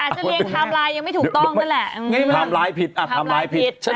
อาจจะเรียนทำไลน์ยังไม่ถูกต้องนั่นแหละ